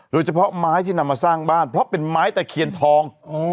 โดยเฉพาะไม้ที่นำมาสร้างบ้านเพราะเป็นไม้ตะเคียนทอง